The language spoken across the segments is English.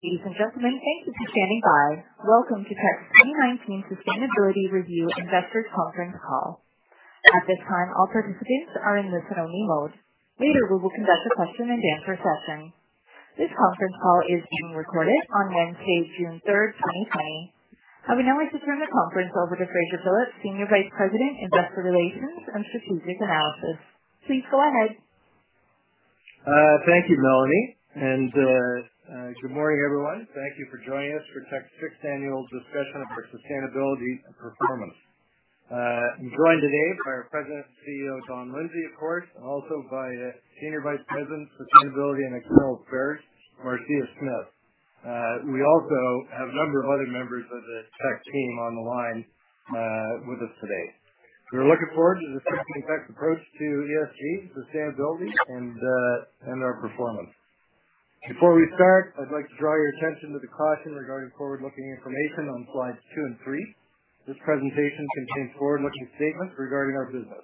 Ladies and gentlemen, thank you for standing by. Welcome to Teck's 2019 Sustainability Review Investors Conference Call. At this time, all participants are in listen-only mode. Later, we will conduct a question and answer session. This conference call is being recorded on Wednesday, June 3, 2020. I would now like to turn the conference over to Fraser Phillips, Senior Vice President, Investor Relations and Strategic Analysis. Please go ahead. Thank you, Melanie, and good morning, everyone. Thank you for joining us for Teck's sixth annual discussion of our sustainability performance. I'm joined today by our President and CEO, Don Lindsay, of course, and also by Senior Vice President, Sustainability and External Affairs, Marcia Smith. We also have a number of other members of the Teck team on the line with us today. We're looking forward to discussing Teck's approach to ESG, sustainability, and our performance. Before we start, I'd like to draw your attention to the caution regarding forward-looking information on slides two and three. This presentation contains forward-looking statements regarding our business.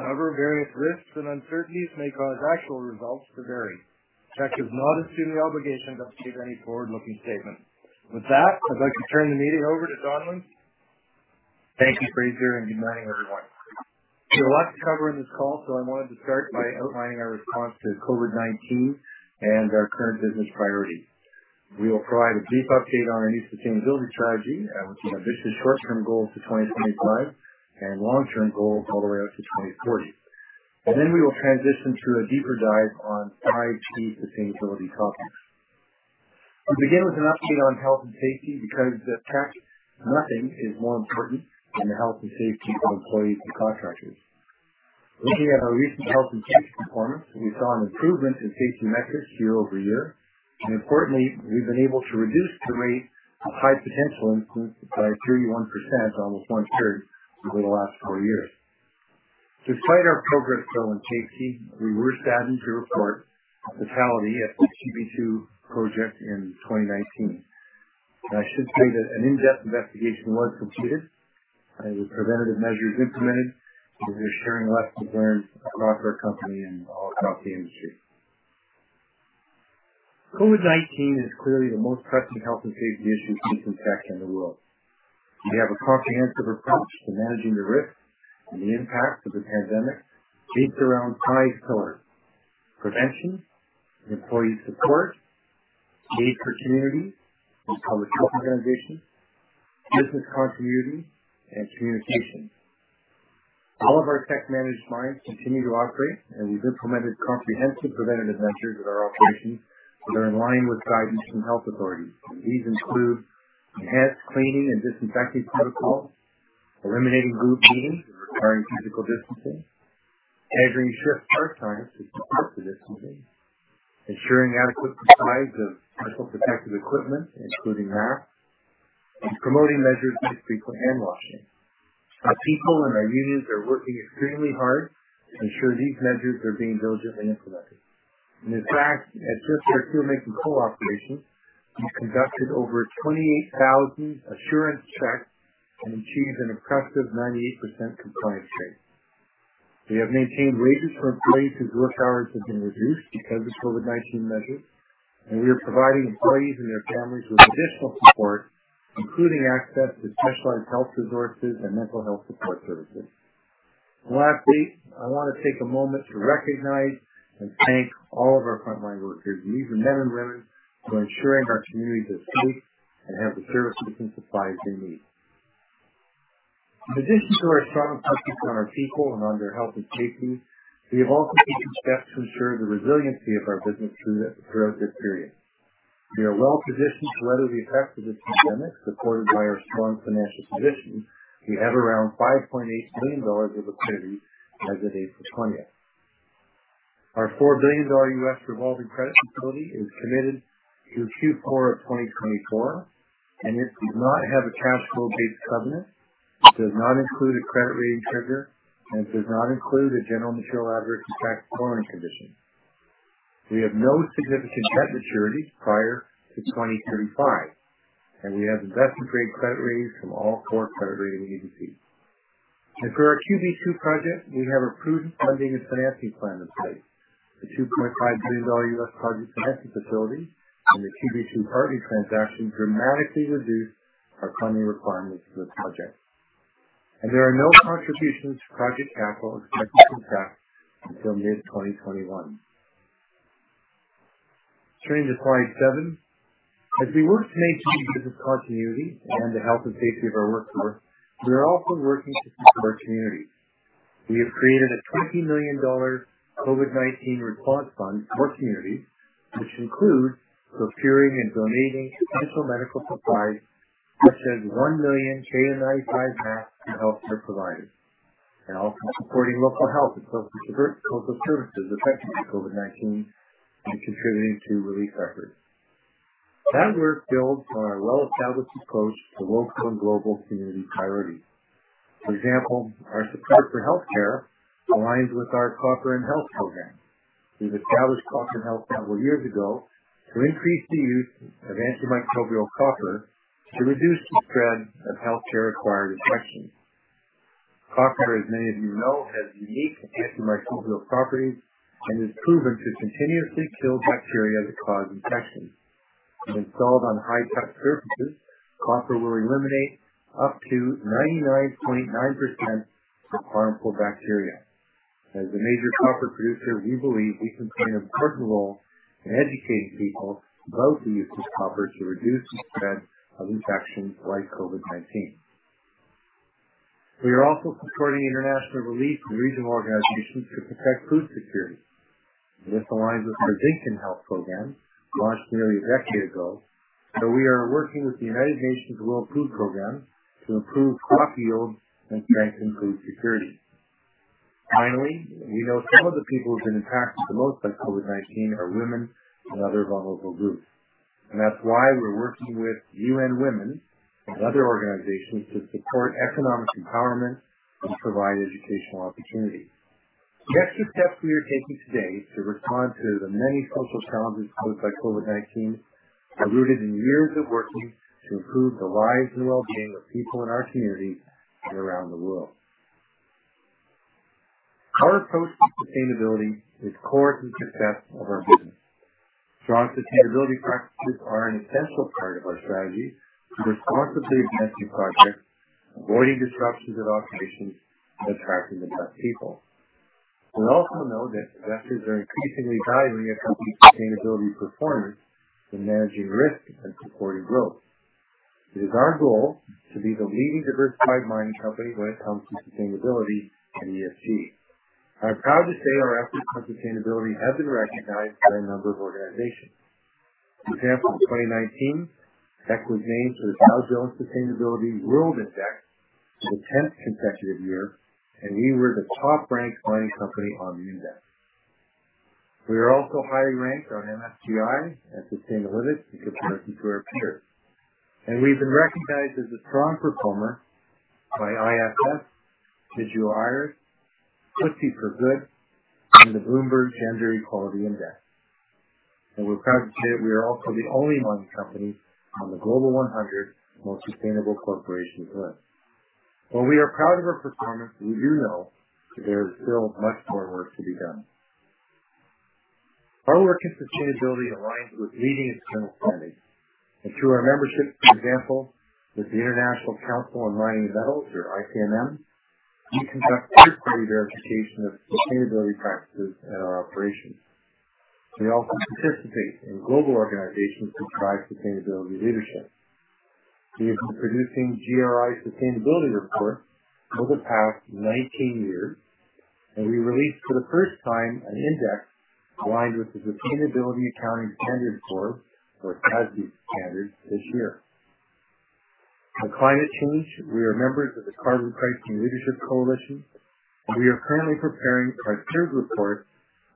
However, various risks and uncertainties may cause actual results to vary. Teck does not assume the obligation to update any forward-looking statement. With that, I'd like to turn the meeting over to Don Lindsay. Thank you, Fraser, and good morning, everyone. There's a lot to cover on this call, so I wanted to start by outlining our response to COVID-19 and our current business priorities. We will provide a brief update on our new sustainability strategy, which has ambitious short-term goals for 2025 and long-term goals all the way out to 2040. We will transition to a deeper dive on five key sustainability topics. We begin with an update on health and safety because at Teck, nothing is more important than the health and safety of employees and contractors. Looking at our recent health and safety performance, we saw an improvement in safety metrics year-over-year, and importantly, we've been able to reduce the rate of high potential incidents by 31%, almost one-third, over the last four years. Despite our progress, though, in safety, we were saddened to report a fatality at the QB2 project in 2019. I should say that an in-depth investigation was completed and preventative measures implemented. We'll be sharing lessons learned across our company and all across the industry. COVID-19 is clearly the most pressing health and safety issue facing Teck and the world. We have a comprehensive approach to managing the risks and the impacts of the pandemic based around five pillars: prevention, employee support, aid for communities and public health organizations, business continuity, and communication. All of our Teck-managed mines continue to operate, and we've implemented comprehensive preventative measures at our operations that are in line with guidance from health authorities. These include enhanced cleaning and disinfecting protocols, eliminating group meetings and requiring physical distancing, staggering shift start times to support the distancing, ensuring adequate supplies of personal protective equipment, including masks, and promoting measures like frequent handwashing. Our people and our unions are working extremely hard to ensure these measures are being diligently implemented. In fact, at just our two Mexican coal operations, we've conducted over 28,000 assurance checks and achieved an impressive 98% compliance rate. We have maintained wages for employees whose work hours have been reduced because of COVID-19 measures, and we are providing employees and their families with additional support, including access to specialized health resources and mental health support services. Lastly, I want to take a moment to recognize and thank all of our frontline workers. These are men and women who are ensuring our communities are safe and have the services and supplies they need. In addition to our strong focus on our people and on their health and safety, we have also taken steps to ensure the resiliency of our business throughout this period. We are well positioned to weather the effects of this pandemic, supported by our strong financial position. We have around 5.8 billion dollars of liquidity as of April 20th. Our $4 billion US revolving credit facility is committed through Q4 of 2024. It does not have a cash flow-based covenant, does not include a credit rating trigger, and does not include a general material adverse effect covenant condition. We have no significant debt maturities prior to 2035. We have investment grade credit ratings from all four credit rating agencies. For our QB2 project, we have a prudent funding and financing plan in place. The $2.5 billion US project financing facility and the QB2 partnership transaction dramatically reduce our funding requirements for the project. There are no contributions to project capital expected from Teck until mid-2021. Turning to slide seven. As we work to maintain business continuity and the health and safety of our workforce, we are also working to support our communities. We have created a 20 million dollar COVID-19 response fund for communities, which includes procuring and donating essential medical supplies, such as one million KN95 masks to healthcare providers. Also supporting local health and social services affected by COVID-19 and contributing to relief efforts. That work builds on our well-established approach to local and global community priorities. For example, our support for healthcare aligns with our Copper & Health program. We've established Copper & Health several years ago to increase the use of antimicrobial copper to reduce the spread of healthcare-acquired infections. Copper, as many of you know, has unique antimicrobial properties and is proven to continuously kill bacteria that cause infections. When installed on high-touch surfaces, copper will eliminate up to 99.9% of harmful bacteria. As a major copper producer, we believe we can play an important role in educating people about the use of copper to reduce the spread of infections like COVID-19. We are also supporting international relief and regional organizations to protect food security. This aligns with our Zinc & Health program, launched nearly a decade ago. We are working with the United Nations World Food Programme to improve crop yields and strengthen food security. Finally, we know some of the people who have been impacted the most by COVID-19 are women and other vulnerable groups, and that's why we're working with UN Women and other organizations to support economic empowerment and provide educational opportunities. The extra steps we are taking today to respond to the many social challenges posed by COVID-19 are rooted in years of working to improve the lives and well-being of people in our communities and around the world. Our approach to sustainability is core to the success of our business. Strong sustainability practices are an essential part of our strategy to responsibly advancing projects, avoiding disruptions at operations, and attracting the best people. We also know that investors are increasingly valuing a company's sustainability performance in managing risks and supporting growth. It is our goal to be the leading diversified mining company when it comes to sustainability and ESG. I am proud to say our efforts on sustainability have been recognized by a number of organizations. For example, in 2019, Teck was named to the Dow Jones Sustainability World Index for the 10th consecutive year, and we were the top-ranked mining company on the index. We are also highly ranked on MSCI and Sustainalytics among our peers, and we've been recognized as a strong performer by ISS, Vigeo Eiris, FTSE4Good, and the Bloomberg Gender-Equality Index. We're proud to say that we are also the only mining company on the Global 100 Most Sustainable Corporations list. While we are proud of our performance, we do know that there is still much more work to be done. Our work in sustainability aligns with leading external standards and through our memberships, for example, with the International Council on Mining and Metals or ICMM, we conduct third-party verification of sustainability practices at our operations. We also participate in global organizations that drive sustainability leadership. We have been producing GRI sustainability reports for the past 19 years, and we released for the first time an index aligned with the Sustainability Accounting Standards Board or SASB standards this year. On climate change, we are members of the Carbon Pricing Leadership Coalition, and we are currently preparing our third report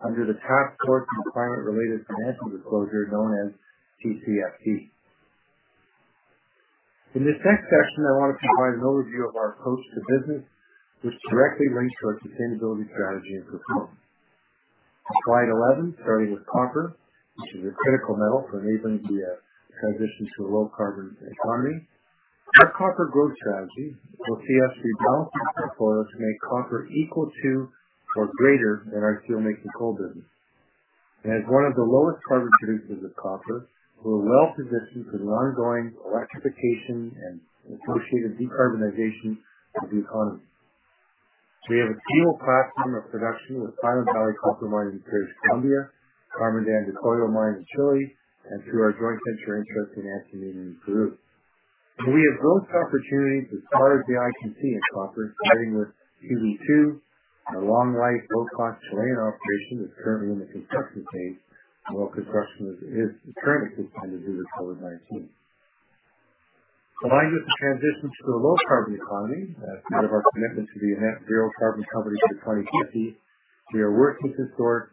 under the Task Force on Climate-related Financial Disclosure, known as TCFD. In this next section, I want to provide an overview of our approach to business, which directly links to our sustainability strategy and performance. Slide 11, starting with copper, which is a critical metal for enabling the transition to a low carbon economy. Our copper growth strategy will see us rebalance our portfolio to make copper equal to or greater than our steelmaking coal business. As one of the lowest carbon producers of copper, we're well-positioned for the ongoing electrification and associated decarbonization of the economy. We have a world-class stream of production with Highland Valley Copper Mine in British Columbia, Carmen de Andacollo Mine in Chile, and through our joint venture interest in Antamina in Peru. We have growth opportunities as far as the eye can see in copper, starting with QB2, a long-life, low-cost Chilean operation that's currently in the construction phase. While construction is currently suspended due to COVID-19. Aligned with the transition to a low carbon economy, as part of our commitment to be a net zero carbon company by 2050, we are working to source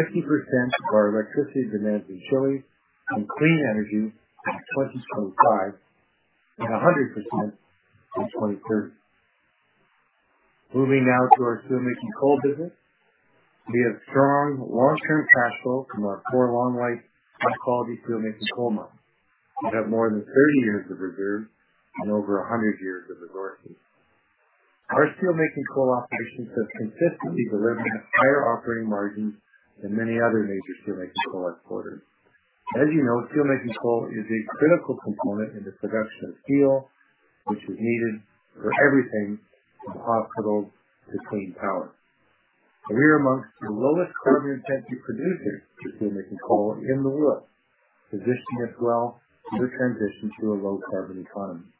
50% of our electricity demands in Chile from clean energy by 2025 and 100% by 2030. Moving now to our steelmaking coal business. We have strong long-term cash flow from our four long-life, high-quality steelmaking coal mines that have more than 30 years of reserves and over 100 years of resources. Our steelmaking coal operations have consistently delivered higher operating margins than many other major steelmaking coal exporters. As you know, steelmaking coal is a critical component in the production of steel, which is needed for everything from hospitals to clean power. We are amongst the lowest carbon-intensive producers of steelmaking coal in the world, positioning us well for the transition to a low carbon economy.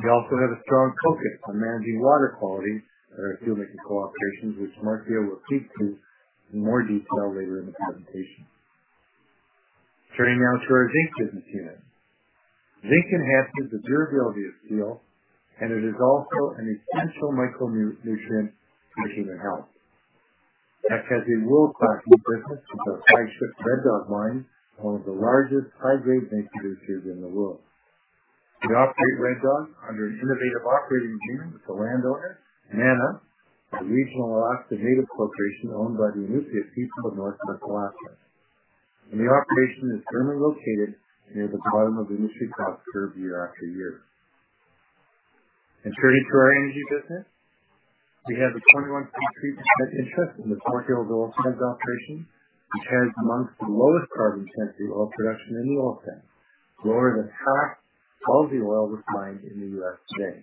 We also have a strong focus on managing water quality at our steelmaking coal operations, which Marcia will speak to in more detail later in the presentation. Turning now to our zinc business unit. Zinc enhances the durability of steel, and it is also an essential micronutrient for human health. Teck has a world-class zinc business with our flagship Red Dog Mine, one of the largest high-grade zinc producers in the world. We operate Red Dog under an innovative operating agreement with the landowner, NANA, a regional Alaska Native corporation owned by the Iñupiat people of Northwest Alaska. The operation is firmly located near the bottom of the industry cost curve year after year. Turning to our energy business, we have a 21.3% interest in the Fort Hills oil sands operation, which has amongst the lowest carbon intensity oil production in the oil sands, lower than half of the oil refined in the U.S. today.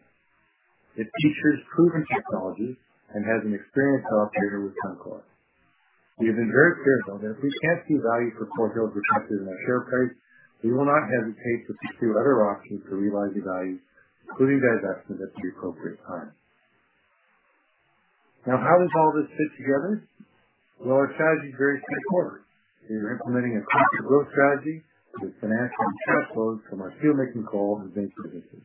It features proven technology and has an experienced operator with Suncor. We have been very clear, though, that if we can't see value for Fort Hills reflected in our share price, we will not hesitate to pursue other options to realize the value, including divestment at the appropriate time. How does all this fit together? Well, our strategy is very straightforward. We are implementing a conscious growth strategy to financially deload from our steelmaking coal and zinc businesses.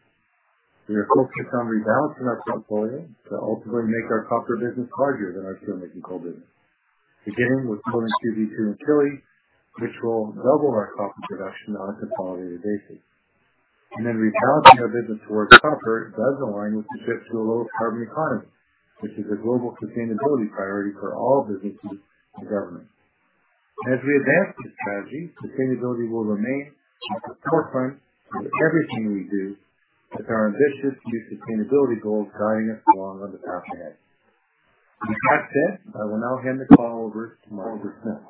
We are focused on rebalancing our portfolio to ultimately make our copper business larger than our steelmaking coal business. Beginning with building QB2 in Chile, which will double our copper production on a consolidated basis. Rebalancing our business towards copper does align with the shift to a low carbon economy, which is a global sustainability priority for all businesses and governments. As we advance this strategy, sustainability will remain at the forefront of everything we do with our ambitious new sustainability goals guiding us along on the path ahead. With that said, I will now hand the call over to Marcia Smith.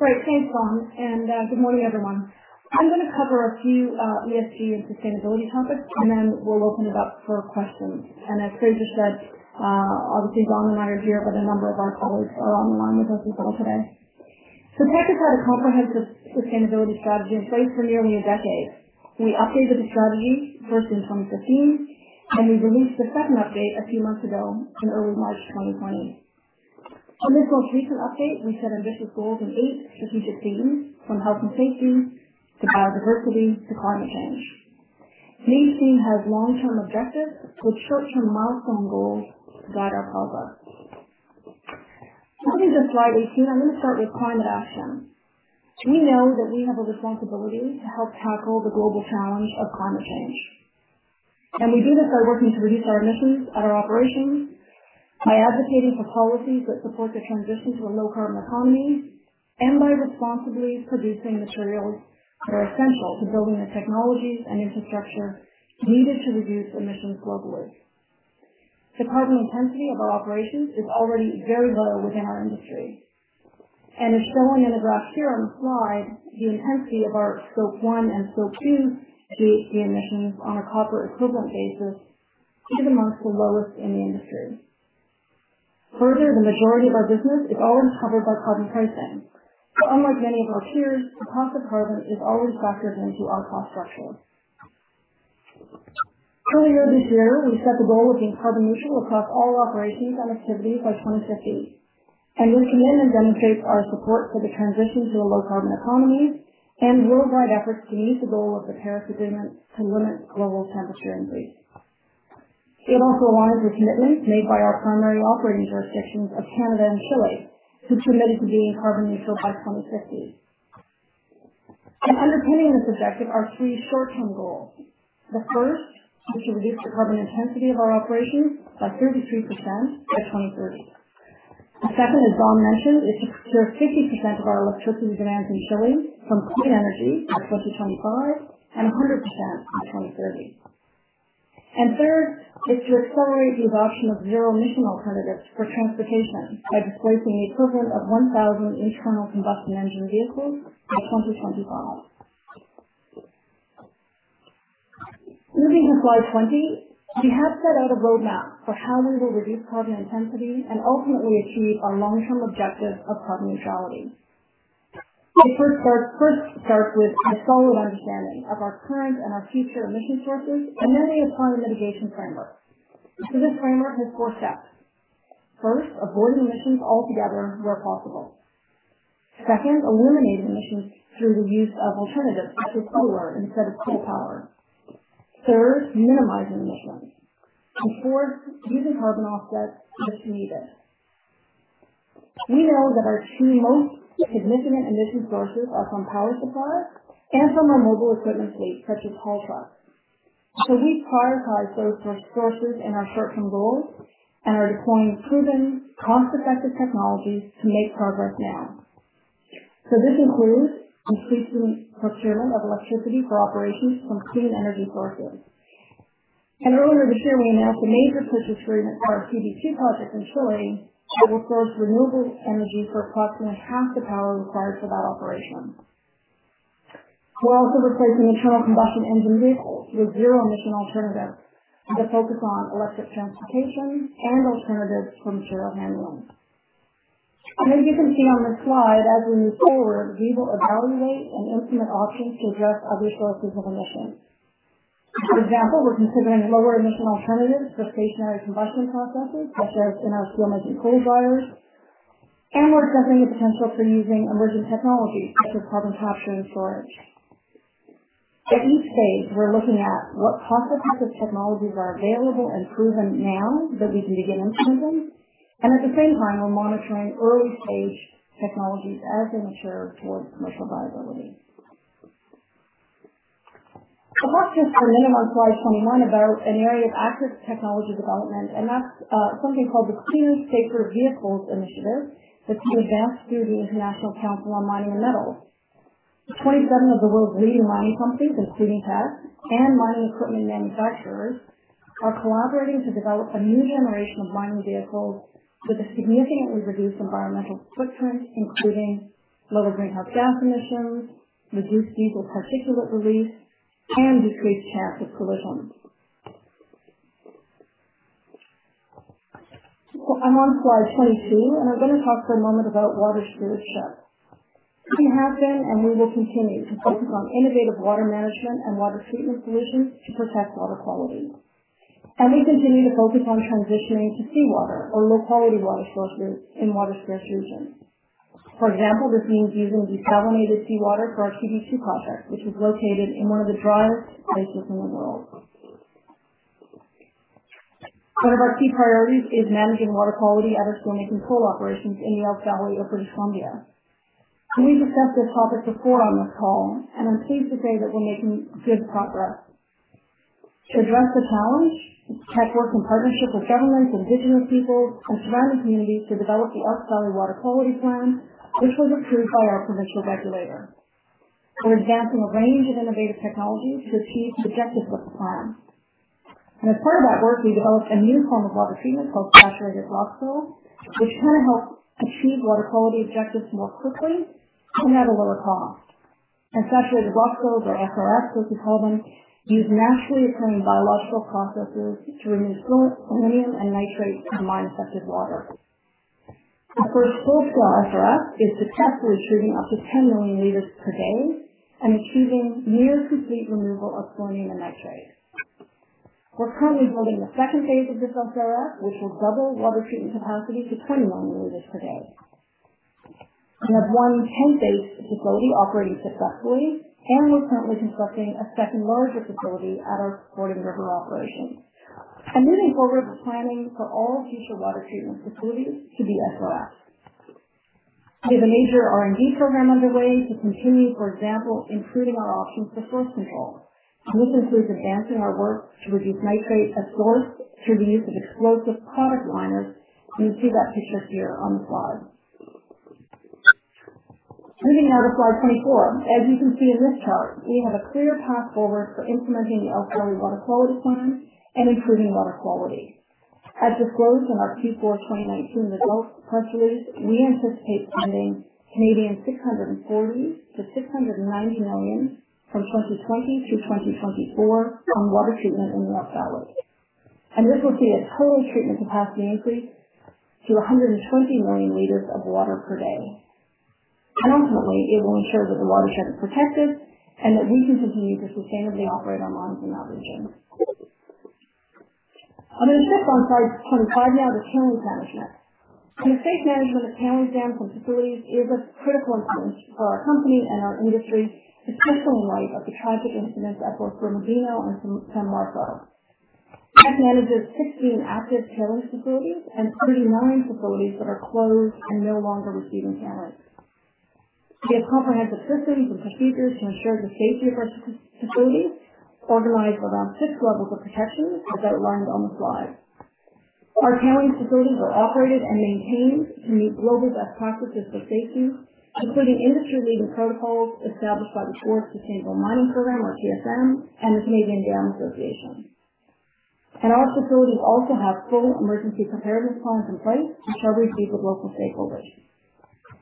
Great. Thanks, Don, good morning, everyone. I'm going to cover a few ESG and sustainability topics, then we'll open it up for questions. As Fraser said, obviously Don and I are here, a number of our colleagues are on the line with us as well today. Teck has had a comprehensive sustainability strategy in place for nearly a decade. We updated the strategy first in 2015, we released a second update a few months ago in early March 2020. In this most recent update, we set ambitious goals in eight strategic themes, from health and safety to biodiversity to climate change. Each theme has long-term objectives with short-term milestone goals to guide our progress. Looking to slide 18, I'm going to start with climate action. We know that we have a responsibility to help tackle the global challenge of climate change. We do this by working to reduce our emissions at our operations, by advocating for policies that support the transition to a low carbon economy, by responsibly producing materials that are essential to building the technologies and infrastructure needed to reduce emissions globally. The carbon intensity of our operations is already very low within our industry. As shown in the graph here on the slide, the intensity of our Scope 1 and Scope 2 GHG emissions on a copper equivalent basis is amongst the lowest in the industry. Further, the majority of our business is already covered by carbon pricing. Unlike many of our peers, the cost of carbon is already factored into our cost structure. Earlier this year, we set the goal of being carbon neutral across all operations and activities by 2050, this commitment demonstrates our support for the transition to a low carbon economy and worldwide efforts to meet the goal of the Paris Agreement to limit global temperature increase. It also aligns with commitments made by our primary operating jurisdictions of Canada and Chile, who committed to being carbon neutral by 2050. Underpinning this objective are three short-term goals. The first is to reduce the carbon intensity of our operations by 33% by 2030. The second, as Don mentioned, is to source 50% of our electricity demands in Chile from clean energy by 2025 and 100% by 2030. Third is to accelerate the adoption of zero emission alternatives for transportation by displacing the equivalent of 1,000 internal combustion engine vehicles by 2025. Moving to slide 20, we have set out a roadmap for how we will reduce carbon intensity and ultimately achieve our long-term objective of carbon neutrality. It first starts with a solid understanding of our current and our future emission sources, a targeted mitigation framework. This framework has four steps. First, avoiding emissions altogether where possible. Second, eliminating emissions through the use of alternatives such as solar instead of coal power. Third, minimizing emissions. Fourth, using carbon offsets if needed. We know that our two most significant emission sources are from power supply and from our mobile equipment fleet, such as haul trucks. We've prioritized those two sources in our short-term goals, are deploying proven cost-effective technologies to make progress now. This includes increasing procurement of electricity for operations from clean energy sources. Earlier this year, we announced a major purchase agreement for our QB2 project in Chile that will source renewable energy for approximately half the power required for that operation. We're also replacing internal combustion engine vehicles with zero emission alternatives, to focus on electric transportation and alternatives to ensure of heavy loads. As you can see on this slide, as we move forward, we will evaluate and implement options to address other sources of emissions. For example, we're considering lower emission alternatives for stationary combustion processes, such as in our steelmaking coke dryers, and we're assessing the potential for using emerging technologies such as carbon capture and storage. At each stage, we're looking at what cost-effective technologies are available and proven now that we can begin implementing, and at the same time, we're monitoring early-stage technologies as they mature towards commercial viability. I'll talk just for a minute on slide 21 about an area of active technology development, that's something called the Innovation for Cleaner, Safer Vehicles initiative that's being advanced through the International Council on Mining and Metals. 27 of the world's leading mining companies, including Teck, and mining equipment manufacturers are collaborating to develop a new generation of mining vehicles with a significantly reduced environmental footprint, including lower greenhouse gas emissions, reduced diesel particulate release, and decreased chance of collisions. I'm on slide 22, I'm going to talk for a moment about water stewardship. We have been, we will continue to focus on innovative water management and water treatment solutions to protect water quality. We continue to focus on transitioning to seawater or low-quality water sources in water-stressed regions. For example, this means using desalinated seawater for our QB2 project, which is located in one of the driest places in the world. One of our key priorities is managing water quality at our stormwater control operations in the Elk Valley of British Columbia. We've discussed this topic before on this call, I'm pleased to say that we're making good progress. To address the challenge, Teck worked in partnership with governments, indigenous peoples, and surrounding communities to develop the Elk Valley Water Quality Plan, which was approved by our provincial regulator. We're advancing a range of innovative technologies to achieve the objectives of the plan. As part of that work, we developed a new form of water treatment called saturated rock fills, which can help achieve water quality objectives more quickly and at a lower cost. Saturated rock fills, or SRFs as we call them, use naturally occurring biological processes to remove selenium and nitrate from mine-affected water. Our first full-scale SRF is successfully treating up to 10 million liters per day and achieving near complete removal of selenium and nitrate. We're currently building the second phase of this SRF, which will double water treatment capacity to 20 million liters per day. We have one tent-based facility operating successfully, we're currently constructing a second larger facility at our Gordon River operation. Moving forward, we're planning for all future water treatment facilities to be SRFs. We have a major R&D program underway to continue, for example, improving our options for source control. This includes advancing our work to reduce nitrate at source through the use of explosive product liners, and you see that pictured here on the slide. Moving now to slide 24. As you can see in this chart, we have a clear path forward for implementing the Elk Valley Water Quality Plan and improving water quality. As disclosed in our Q4 2019 results press release, we anticipate spending 640 million to 690 million from 2020 to 2024 on water treatment in the Elk Valley. This will see a total treatment capacity increase to 120 million liters of water per day. Ultimately, it will ensure that the watershed is protected and that we can continue to sustainably operate our mines in that region. I am going to shift on slide 25 now to tailings management. The safe management of tailings dams and facilities is of critical importance for our company and our industry in the wake of the tragic incidents at both Brumadinho and Samarco. Teck manages 16 active tailings facilities and 39 facilities that are closed and no longer receiving tailings. We have comprehensive systems and procedures to ensure the safety of our facilities organized around 6 levels of protection that are outlined on the slide. Our tailings facilities are operated and maintained to meet global best practices for safety, including industry-leading protocols established by the Towards Sustainable Mining Program, or TSM, and the Canadian Dam Association. Our facilities also have full emergency preparedness plans in place to ensure the safety of local stakeholders.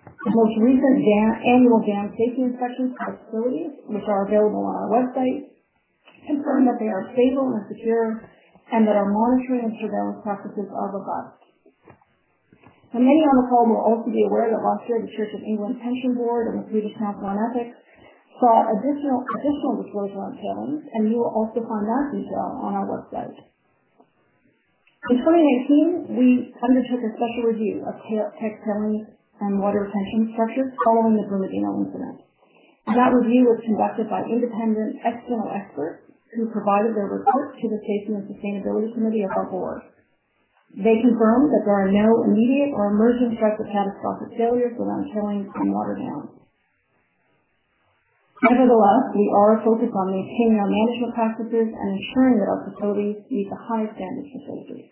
The most recent annual dam safety inspections at our facilities, which are available on our website, confirm that they are stable and secure and that our monitoring and surveillance practices are robust. Many on the call will also be aware that last year, the Church of England Pensions Board and the Swedish Council on Ethics sought additional disclosure on tailings, and you will also find that detail on our website. In 2019, we undertook a special review of Teck tailings and water retention structures following the Brumadinho incident. That review was conducted by independent external experts who provided their report to the Safety and Sustainability Committee of our board. They confirmed that there are no immediate or emerging threats of catastrophic failures around tailings or water dams. Nevertheless, we are focused on maintaining our management practices and ensuring that our facilities meet the highest standards of safety.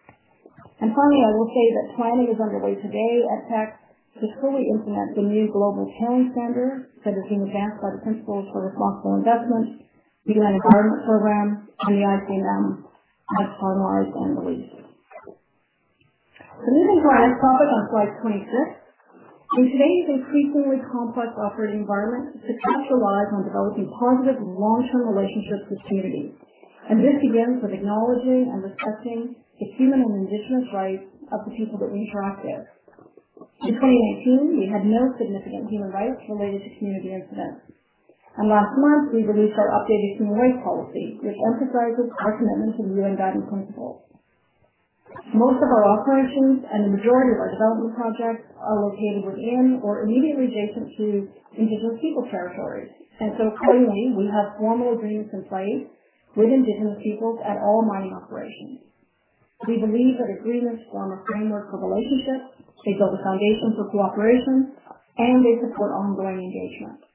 Finally, I will say that planning is underway today at Teck to fully implement the new global tailings standard that is being advanced by the Principles for Responsible Investment, the United Nations Environment Programme, and the ICMM as finalized and released. Moving to our last topic on slide 26. In today's increasingly complex operating environment, success relies on developing positive long-term relationships with communities, and this begins with acknowledging and respecting the human and indigenous rights of the people that we interact with. In 2018, we had no significant human rights related to community incidents. Last month, we released our updated human rights policy, which emphasizes our commitment to the UN Guiding Principles. Most of our operations and the majority of our development projects are located within or immediately adjacent to indigenous people territories. Currently, we have formal agreements in place with Indigenous Peoples at all mining operations. We believe that agreements form a framework for relationships, they build a foundation for cooperation, and they support ongoing engagement.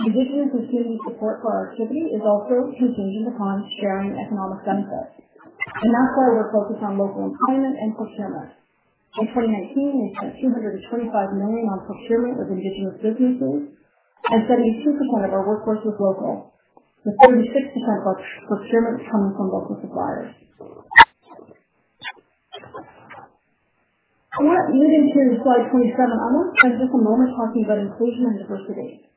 Indigenous community support for our activity is also contingent upon sharing economic benefits, and that's why we're focused on local employment and procurement. In 2019, we spent 225 million on procurement with Indigenous businesses and 72% of our workforce was local, with 36% of our procurement coming from local suppliers. I want to move into slide 27. I want to spend just a moment talking about inclusion and diversity.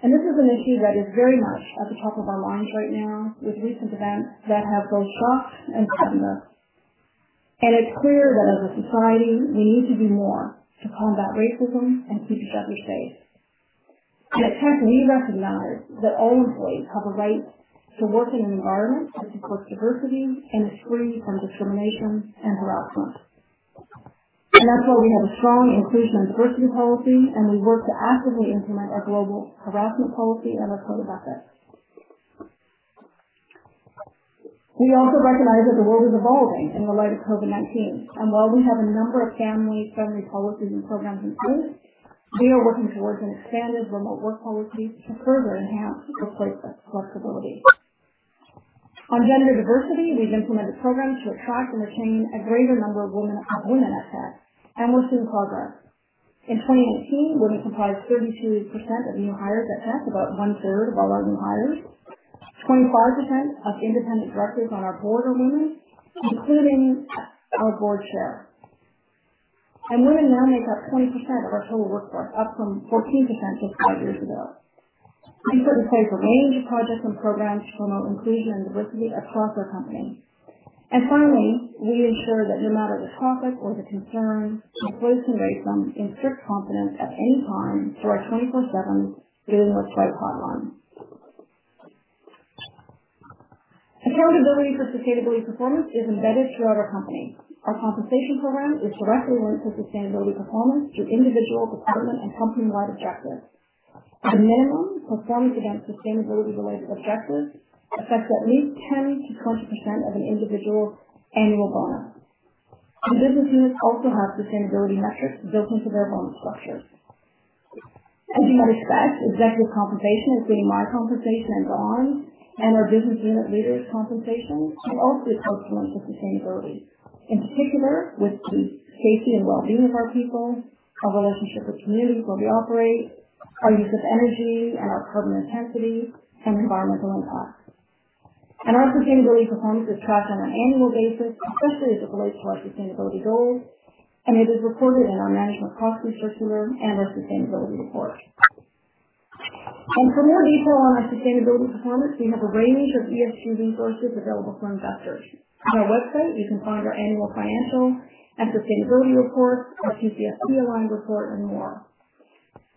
This is an issue that is very much at the top of our minds right now with recent events that have both shocked and saddened us. It's clear that as a society, we need to do more to combat racism and keep each other safe. At Teck, we recognize that all employees have a right to work in an environment that supports diversity and is free from discrimination and harassment. That's why we have a strong inclusion and diversity policy, and we work to actively implement our global harassment policy and our code of ethics. We also recognize that the world is evolving in the light of COVID-19, and while we have a number of family-friendly policies and programs in place, we are working towards an expanded remote work policy to further enhance workplace flexibility. On gender diversity, we've implemented programs to attract and retain a greater number of women at Teck and we're seeing progress. In 2018, women comprised 33% of new hires at Teck, about one-third of all our new hires. 25% of independent directors on our board are women, including our board chair. Women now make up 20% of our total workforce, up from 14% just five years ago. We've set the pace for a range of projects and programs to promote inclusion and diversity across our company. Finally, we ensure that no matter the topic or the concern, employees can raise them in strict confidence at any time through our 24/7 Doing What's Right hotline. Accountability for sustainability performance is embedded throughout our company. Our compensation program is directly linked to sustainability performance through individual, department, and company-wide objectives. At a minimum, performance against sustainability-related objectives affects at least 10%-20% of an individual's annual bonus. Business units also have sustainability metrics built into their bonus structures. As you might expect, executive compensation, including my compensation and Don Lindsay's, and our business unit leaders' compensation, are also closely linked with sustainability, in particular with the safety and well-being of our people, our relationship with communities where we operate, our use of energy, and our carbon intensity, and environmental impacts. Our sustainability performance is tracked on an annual basis, especially as it relates to our sustainability goals, and it is reported in our Management Information Circular and our sustainability report. For more detail on our sustainability performance, we have a range of ESG resources available for investors. On our website, you can find our annual financial and sustainability reports, our TCFD aligned report, and more.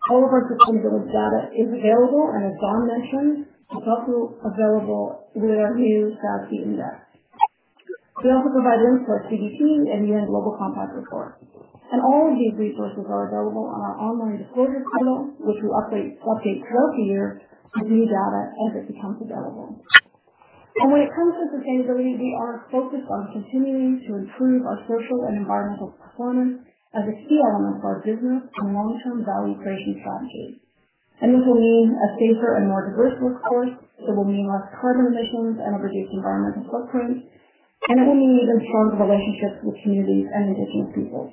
All of our sustainability data is available, and as Don Lindsay mentioned, it's also available through the new SASB index. We also provide input to CDP and the UN Global Compact Report. All of these resources are available on our online disclosure portal, which we update throughout the year with new data as it becomes available. When it comes to sustainability, we are focused on continuing to improve our social and environmental performance as a key element of our business and long-term value creation strategy. This will mean a safer and more diverse workforce, it will mean less carbon emissions and a reduced environmental footprint, and it will mean even stronger relationships with communities and Indigenous peoples.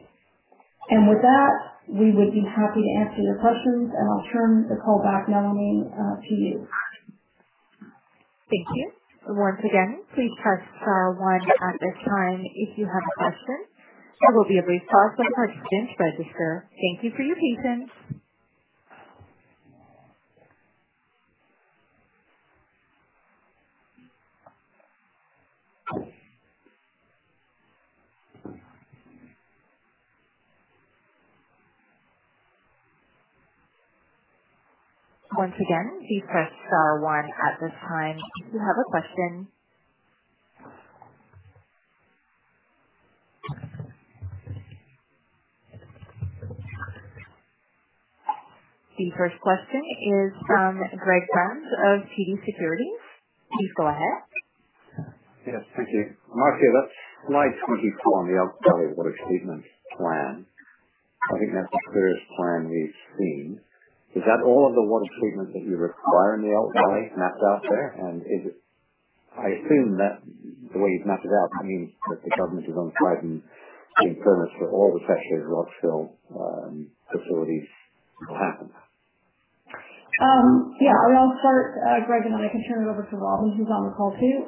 With that, we would be happy to answer your questions, and I'll turn the call back now, Naomi, to you. Thank you. Once again, please press star one at this time if you have a question. There will be a brief pause while participants register. Thank you for your patience. Once again, please press star one at this time if you have a question. The first question is from Greg Barnes of TD Securities. Please go ahead. Yes, thank you. Marcia, that slide 24 on the Elk Valley Water Quality Plan, I think that's the clearest plan we've seen. Is that all of the water treatment that you require in the Elk Valley mapped out there? I assume that the way you've mapped it out means that the government is onside and in favour for all the saturated rock fill, facilities happen. Yeah. I'll start, Greg, and then I can turn it over to Robin, who's on the call too.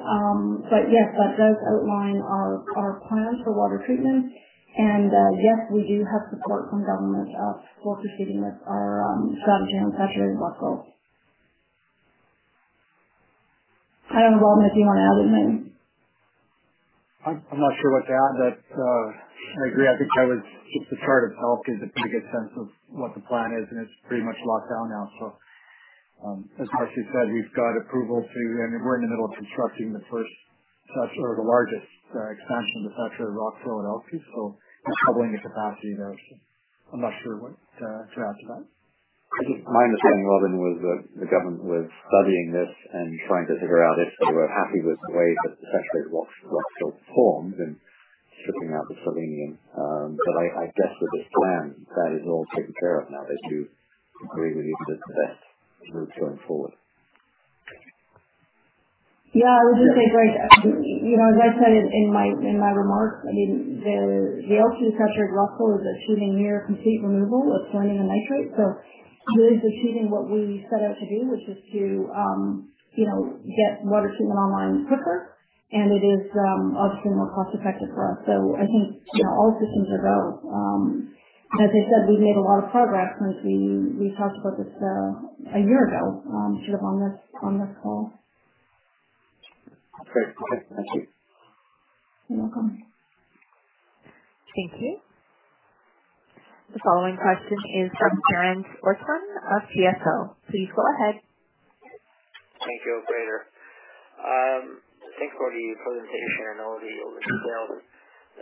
Yes, that does outline our plan for water treatment. Yes, we do have support from government for proceeding with our strategy on saturated rock fill. I don't know, Robin, if you want to add anything. I'm not sure what to add, I agree. I think I think the chart itself gives a pretty good sense of what the plan is, and it's pretty much locked down now. As Marcia Smith said, we've got approval to And we're in the middle of constructing the first touch or the largest expansion of the saturated rock fill in Elk Valley, we're doubling the capacity there. I'm not sure what to add to that. My understanding, Robin, was that the government was studying this and trying to figure out if they were happy with the way that the saturated rock fill formed and stripping out the selenium. I guess with this plan, that is all taken care of now as you agree with you that's the best route going forward. Yeah. I would just say, Frank, as I said in my remarks, the ultimate purpose of saturated rock fill is achieving near complete removal of selenium and nitrate. It is achieving what we set out to do, which is to get water treatment online quicker, and it is ultimately more cost effective for us. I think all systems are go. As I said, we've made a lot of progress since we talked about this a year ago on this call. Great. Thank you. You're welcome. Thank you. The following question is from Terence Odsman of BMO. Please go ahead. Thank you, Operator. Thanks for the presentation and all the details.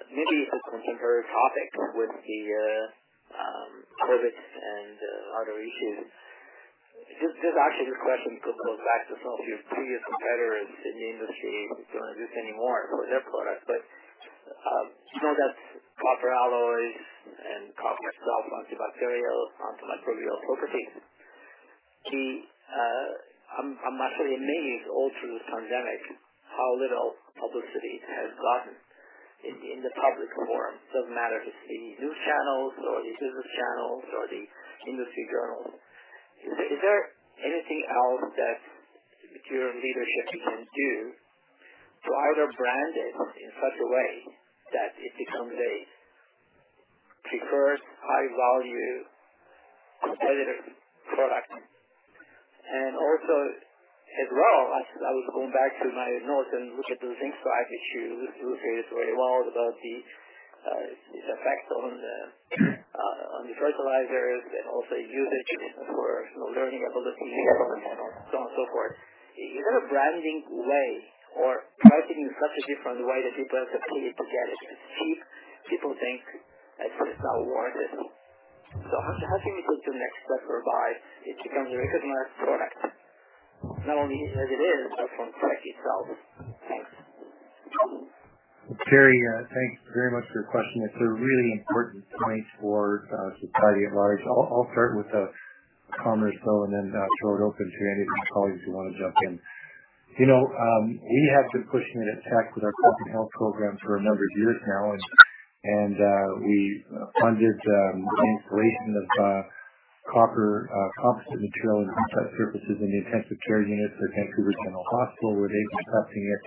Maybe it's a similar topic with the COVID and other issues. This actually, this question could go back to some of your previous competitors in the industry, if they're around anymore, for their product. You know that copper alloys and copper itself have antibacterial, antimicrobial properties. I'm actually amazed all through this pandemic how little publicity it has gotten in the public forum. Doesn't matter if it's the news channels or the business channels or the industry journals. Is there anything else that your leadership can do to either brand it in such a way that it becomes a preferred high-value competitive product? Also as well, I was going back to my notes and looking at those zinc slag issues you illustrated very well about these effects on the fertilizers and also usage and learning abilities and so on and so forth. Is there a branding way or marketing strategy from the way that people have perceived the project as cheap, people think it's not worth it. How can you take the next step whereby it becomes a recognized product not only as it is, but from Teck itself? Thanks. Terry, thanks very much for your question. It's a really important point for society at large. I'll start with a comment or so and then throw it open to any of my colleagues who want to jump in. We have been pushing it at Teck with our Copper & Health program for a number of years now, and we funded the installation of copper composite material in high-touch surfaces in the intensive care units at Vancouver General Hospital, where they've been testing it.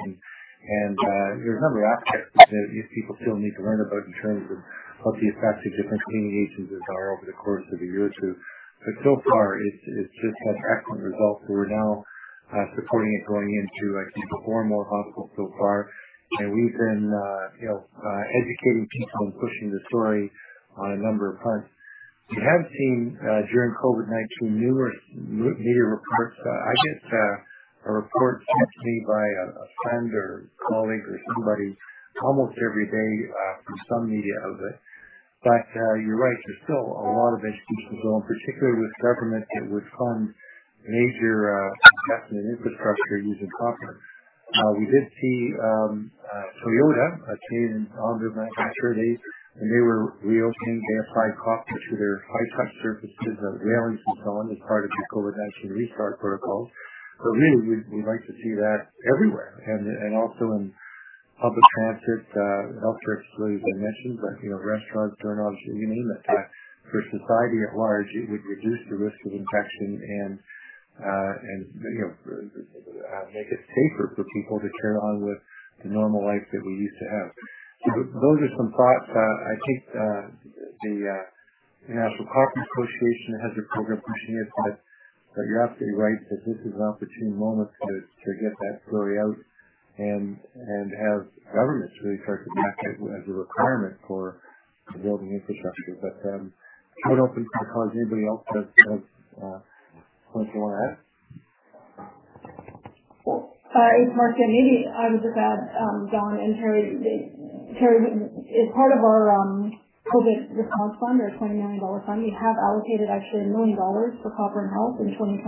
There are a number of aspects that people still need to learn about in terms of what the effects of different cleaning agents and so on over the course of a year or two. So far, it's just had excellent results. We're now supporting it going into, I think, four more hospitals so far. We've been educating people and pushing the story on a number of fronts. We have seen, during COVID-19, numerous media reports. I get a report sent to me by a friend or colleague or somebody almost every day from some media outlet. You're right, there's still a lot of education to go, and particularly with government that would fund major investment in infrastructure using copper. We did see Toyota, a Canadian auto manufacturer, they were reopening. They applied copper to their high-touch surfaces of railings and so on as part of the COVID-19 restart protocols. Really, we'd like to see that everywhere and also in public transit. Health care obviously has been mentioned, but restaurants, casinos, you name it. For society at large, it would reduce the risk of infection and make it safer for people to carry on with the normal life that we used to have. Those are some thoughts. I think the International Copper Association has a program pushing it, but you're absolutely right that this is an opportune moment to get that story out and have governments really start to mandate it as a requirement for building infrastructure. I'd open to my colleagues. Anybody else has points they want to add? It's Marcia Smith. Maybe I'll just add, Don and Terry, as part of our COVID response fund, our 20 million dollar fund, we have allocated actually 1 million dollars for Copper & Health in 2020,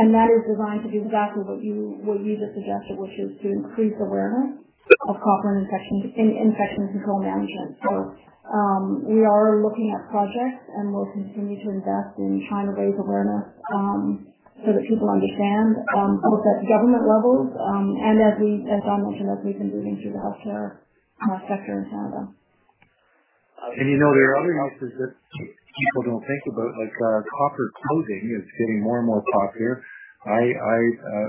and that is designed to do exactly what you just suggested, which is to increase awareness of copper in infection control management. We are looking at projects, and we'll continue to invest in trying to raise awareness so that people understand both at government levels and as Don mentioned, as we've been doing through the healthcare sector in Canada. There are other uses that people don't think about, like copper clothing is getting more and more popular. I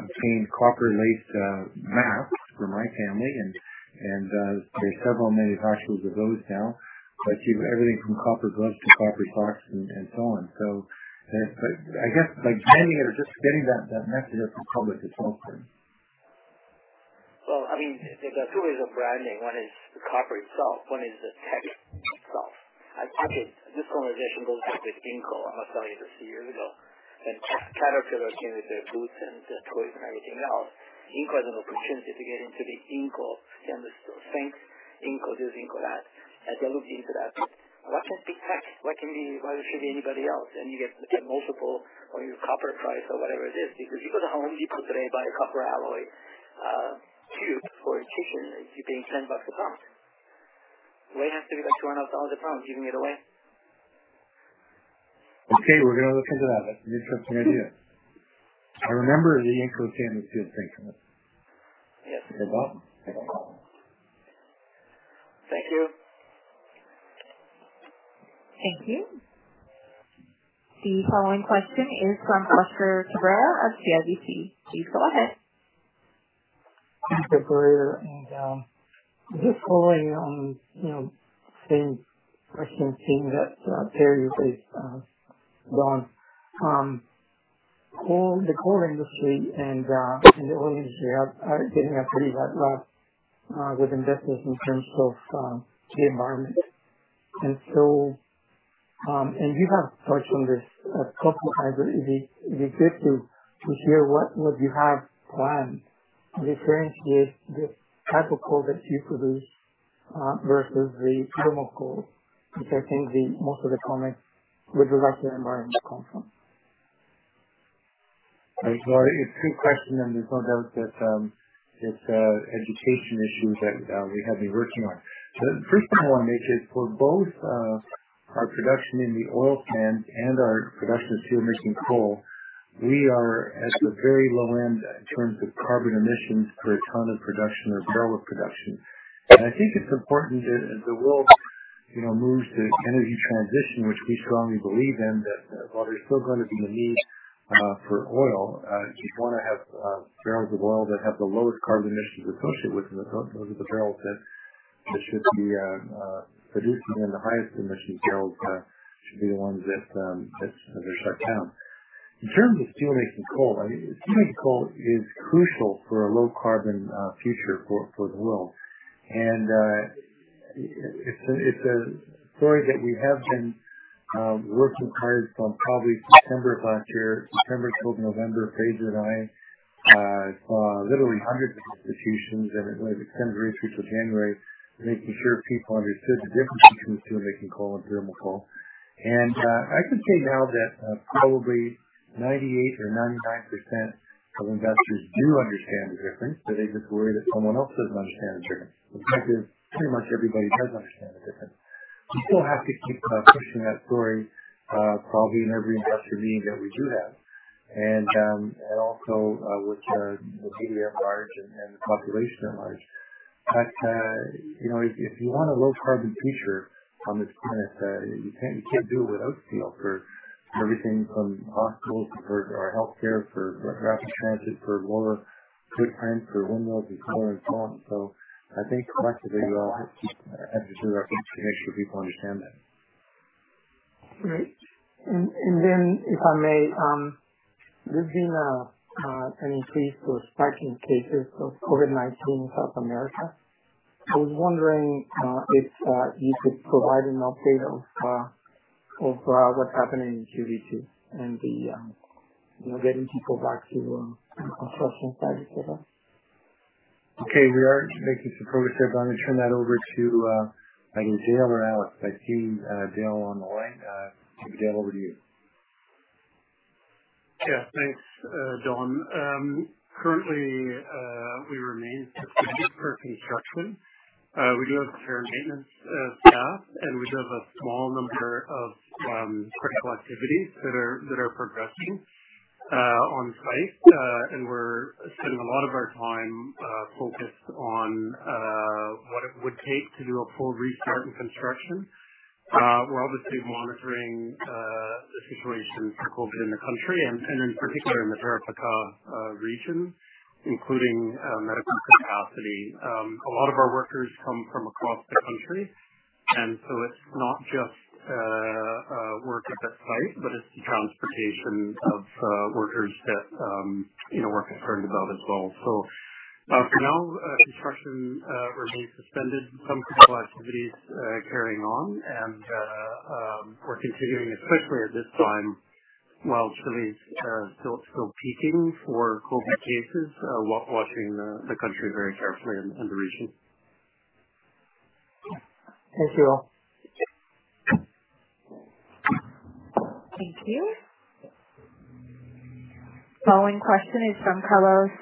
obtained copper-laced masks for my family, and there's several manufacturers of those now. Everything from copper gloves to copper socks and so on. I guess the journey is just getting that message out from public to public. Well, there's two ways of branding. One is the copper itself. One is the Teck itself. Actually, this conversation goes back to Inco, I must tell you, just a few years ago. Caterpillar came with their boots and their toys and everything else. Inco has an opportunity to get into the Inco stainless steel sinks. Inco this, Inco that. They looked into that. Why can't be Teck? Why it should be anybody else? You get multiple, or your copper price or whatever it is, because you go to The Home Depot today, buy a copper alloy tube for a kitchen, it's being 10 bucks a pound. Why it has to be like CAD 200 a pound, even made of lead? Okay, we're going to look into that. That's a new suggestion. I remember the Inco stainless steel sink. Yes. You're welcome. Make a call. Thank you. Thank you. The following question is from Oscar Cabrera of CIBC. Please go ahead. Oscar Cabrera. Just following on same question theme that Terry raised, Don. The coal industry and the oil industry are getting a pretty hard rub with investors in terms of the environment. You have touched on this. I would be interested to hear what you have planned to differentiate the type of coal that you produce versus the thermal coal, which I think most of the comments with regard to the environment come from. It is a good question, and there is no doubt that it is an education issue that we have been working on. The first point I want to make is for both our production in the oil sands and our production of steelmaking coal, we are at the very low end in terms of carbon emissions per ton of production or barrel of production. I think it is important that as the world moves to energy transition, which we strongly believe in, that while there is still going to be the need for oil, you want to have barrels of oil that have the lowest carbon emissions associated with them. Those are the barrels that should be reducing, and the highest emission barrels should be the ones that are shut down. In terms of steelmaking coal, steelmaking coal is crucial for a low carbon future for the world. It's a story that we have been working hard from probably September of last year. September till November, Fraser and I, literally hundreds of institutions, and it extended into January, making sure people understood the difference between steelmaking coal and thermal coal. I can say now that probably 98% or 99% of investors do understand the difference. They're just worried that someone else doesn't understand the difference. In fact, pretty much everybody does understand the difference. We still have to keep pushing that story, probably in every investor meeting that we do have, and also with the media at large and the population at large. If you want a low carbon future on this planet, you can't do it without steel for everything from hospitals to our healthcare, for rapid transit, for lower footprints, for windmills and so on and so on. I think collectively, we all have to do our best to make sure people understand that. Great. If I may, there's been an increase or a spike in cases of COVID-19 in South America. I was wondering if you could provide an update of what's happening in QB2 and the getting people back to construction site as ever. We are making some progress there, but I'm going to turn that over to either Dale or Alex. I see Dale on the line. Dale, over to you. Thanks, Don. Currently, we remain suspended for construction. We do have care and maintenance staff, and we do have a small number of critical activities that are progressing on site. We're spending a lot of our time focused on what it would take to do a full restart in construction. We're obviously monitoring the situation for COVID in the country and in particular in the Tarapacá region, including medical capacity. A lot of our workers come from across the country, and it's not just workers at site, but it's the transportation of workers that we're concerned about as well. For now, construction remains suspended. Some critical activities carrying on, and we're continuing, especially at this time, while Chile is still peaking for COVID cases, watching the country very carefully and the region. Thank you all. Thank you. Following question is from Carlos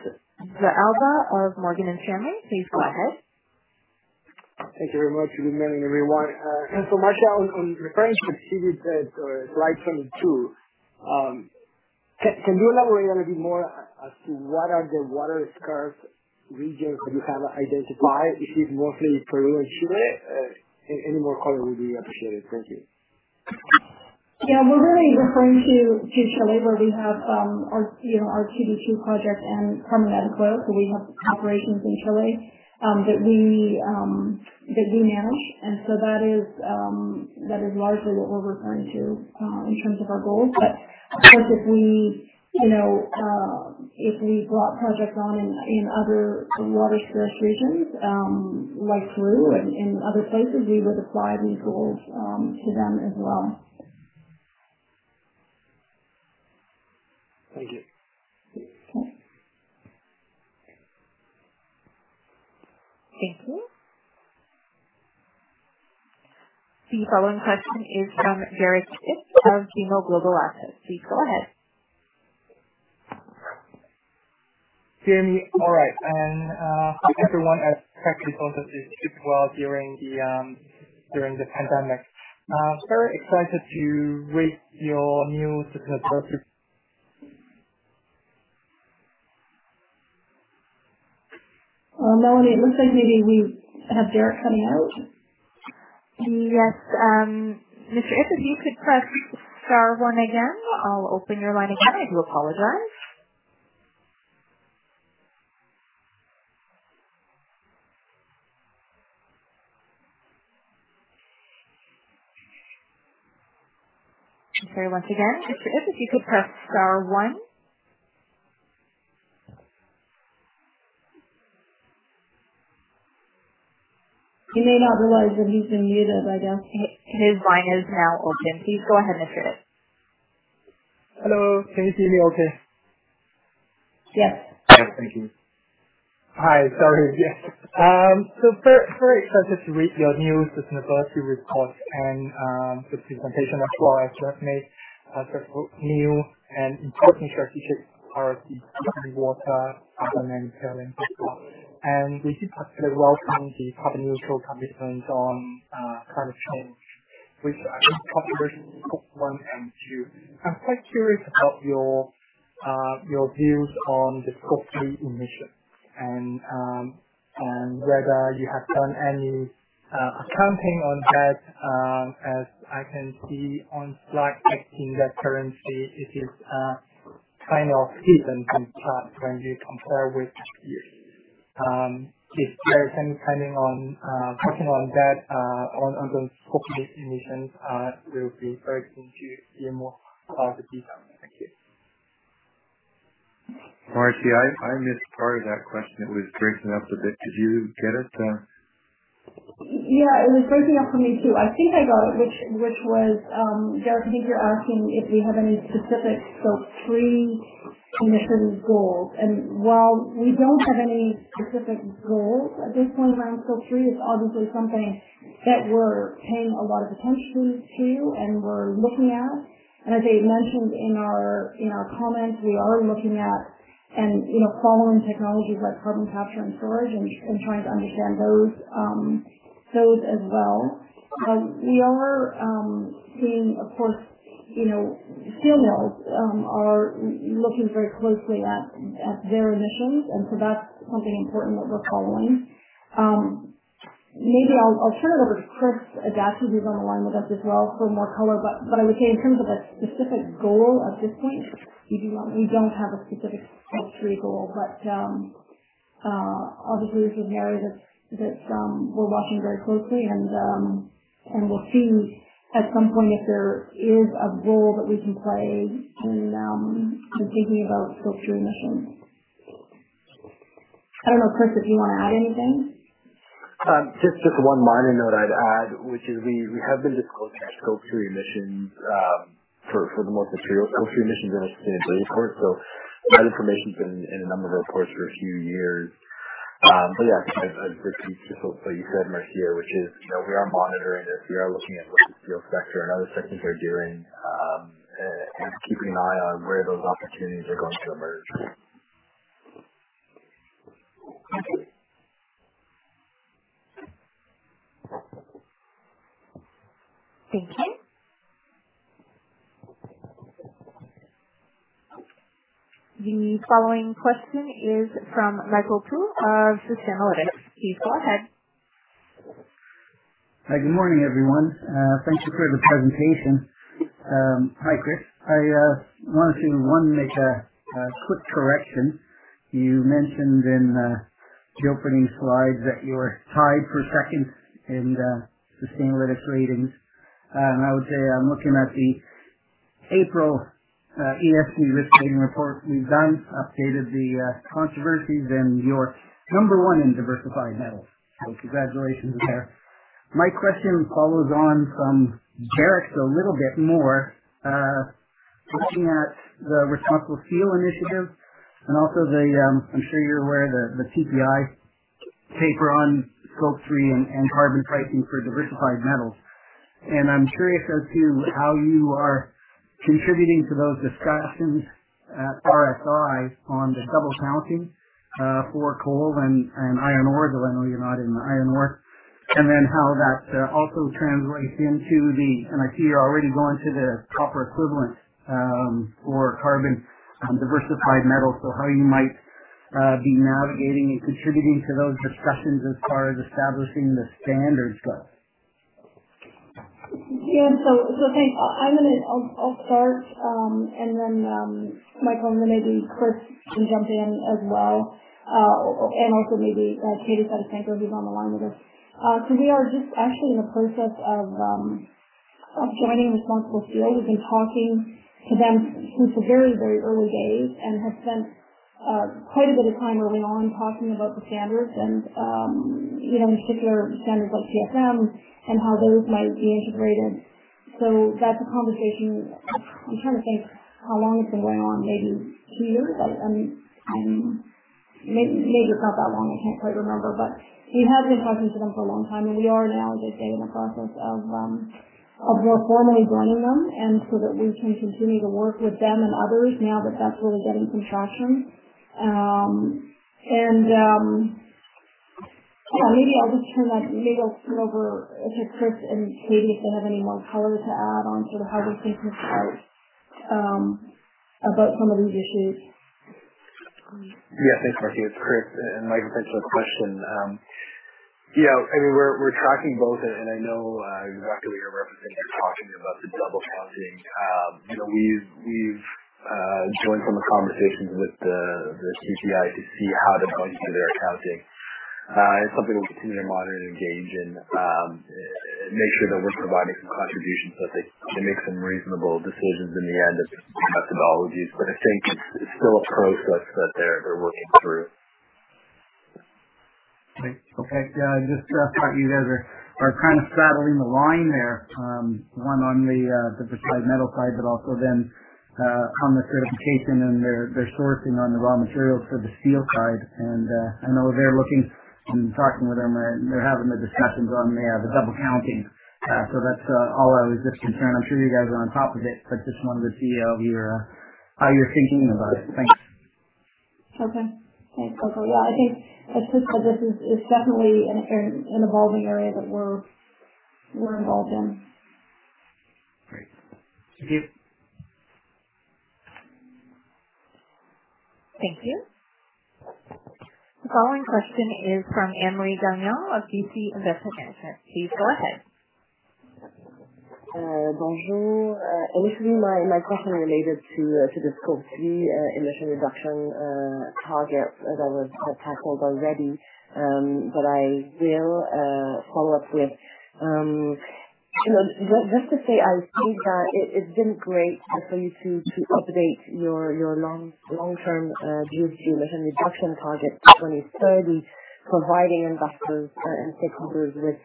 De Alba of Morgan Stanley. Please go ahead. Thank you very much. Good morning, everyone. Marcia, on the presentation, she said slide 22. Can you elaborate a little bit more as to what are the water-scarce regions that you have identified? Is it mostly Peru and Chile? Any more color would be appreciated. Thank you. Yeah. We're really referring to Chile, where we have our QB2 project and permanent growth, so we have operations in Chile that we manage. That is largely what we're referring to in terms of our goals. I think if we If we brought projects on in other water-stressed regions, like Peru and other places, we would apply these rules to them as well. Thank you. Okay. Thank you. The following question is from Derrick Ip of BMO Global Asset. Please go ahead. Hear me all right? Hi, everyone at Teck Resources. Doing well during the pandemic. Very excited to read your new sustainability- Melanie, it looks like maybe we have Derrick cutting out. Yes. Mr. Ip, if you could press star one again, I will open your line again. I do apologize. Okay, once again, Mr. Ip, if you could press star one. He may not realize that he has been muted, I don't think. His line is now open. Please go ahead, Derrick Ip. Hello. Can you hear me okay? Yes. Yes, thank you. Hi. Sorry. Yes. Very excited to read your new sustainability report and the presentation as well, as you have made several new and important strategies for the clean water, carbon neutrality as well. We did particularly welcome the carbon neutral commitment on climate change, which I think covers Scope 1 and 2. I'm quite curious about your views on the Scope 3 emissions, and whether you have done any accounting on that, as I can see on slide 18 that currently it is kind of hidden from chart when we compare with the If there is any comment on that, on those Scope 3 emissions, we'll be very keen to hear more of the details. Thank you. Marcia, I missed part of that question. It was breaking up a bit. Did you get it? Yeah, it was breaking up for me, too. I think I got it, which was, Derrick, I think you're asking if we have any specific Scope 3 emissions goals. While we don't have any specific goals at this point around Scope 3, it's obviously something that we're paying a lot of attention to and we're looking at. As I mentioned in our comments, we are looking at and following technologies like carbon capture and storage and trying to understand those as well. We are seeing, of course, steel mills are looking very closely at their emissions, so that's something important that we're following. Maybe I'll turn it over to Chris Anderson, who's on the line with us as well for more color. I would say in terms of a specific goal at this point, we don't have a specific Scope 3 goal, but obviously this is an area that we're watching very closely and we'll see at some point if there is a role that we can play in thinking about Scope 3 emissions. I don't know, Chris, if you want to add anything? Just one minor note I'd add, which is we have been disclosing our Scope 3 emissions for the most material Scope 3 emissions in our sustainability report, so that information's been in a number of our reports for a few years. Yeah, I'd repeat just what you said, Marcia, which is, we are monitoring it, we are looking at what the steel sector and other sectors are doing, and keeping an eye on where those opportunities are going to emerge. Okay. Thank you. The following question is from Michael Pu of Sustainalytics. Please go ahead. Hi, good morning, everyone. Thanks for the presentation. Hi, Chris. I wanted to, one, make a quick correction. You mentioned in the opening slides that you were tied for second in Sustainalytics ratings. I would say I'm looking at the April ESG risk rating report. You guys updated the controversies and you're number one in diversified metals. Congratulations there. My question follows on from Derrick's a little bit more, looking at the ResponsibleSteel Initiative and also, I'm sure you're aware, the TPI paper on Scope 3 and carbon pricing for diversified metals. I'm curious as to how you are contributing to those discussions at RSI on the double counting for coal and iron ore, though I know you're not in iron ore, and then how that also translates into the, I see you're already going to the copper equivalent for carbon diversified metals. How you might be navigating and contributing to those discussions as far as establishing the standards go? Thanks. I'll start, and then, Michael, and then maybe Chris can jump in as well. Also maybe Katie Seto, who's on the line with us. We are just actually in the process of joining ResponsibleSteel. We've been talking to them since the very, very early days and have spent quite a bit of time early on talking about the standards and in particular standards like TSM and how those might be integrated. That's a conversation. I'm trying to think how long it's been going on. Maybe two years. Maybe it's not that long. I can't quite remember. We have been talking to them for a long time, and we are now just getting the process of formally joining them and so that we can continue to work with them and others now that that's really getting some traction. Maybe I'll turn over to Chris and Katie if they have any more color to add on the harder maintenance part, about some of these issues. Yeah. Thanks, Marcia Smith. It's Chris Anderson. Michael, thanks for the question. We're tracking both, and I know exactly what you're referencing there, talking about the double counting. We've joined some of the conversations with the ICMM to see how to go through their accounting. It's something that we'll continue to monitor and engage in, make sure that we're providing some contribution so that they make some reasonable decisions in the end of methodologies. I think it's still a process that they're working through. Okay. Just thought you guys are kind of straddling the line there. One on the diversified metal side, but also then on the certification and their sourcing on the raw materials for the steel side. I know they're looking and talking with them. They're having the discussions on the double counting. That's all I was just concerned. I'm sure you guys are on top of it, but just wanted to see how you're thinking about it. Thanks. Okay. Thanks, for the chance. Yeah, I think, as Chris Anderson said, this is definitely an evolving area that we're involved in. Great. Thank you. Thank you. The following question is from Anne-Marie Gagnon of BC Investment Management. Please go ahead. Bonjour. Initially, my question related to the Scope 3 emission reduction target that was tackled already. I see that it's been great for you two to update your long-term greenhouse emission reduction target to 2030, providing investors and stakeholders with